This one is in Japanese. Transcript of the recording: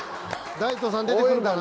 大東さん出てくるかな？